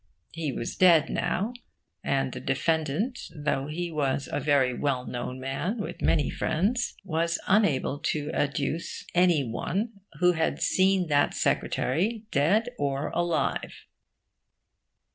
He was dead now; and the defendant, though he was a very well known man, with many friends, was unable to adduce any one who had seen that secretary dead or alive.